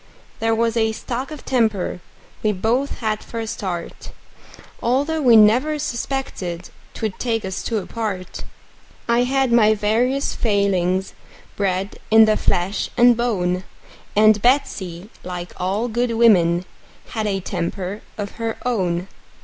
There was a stock of temper we both had for a start, Although we never suspected 'twould take us two apart; I had my various failings, bred in the flesh and bone; And Betsey, like all good women, had a temper of her own.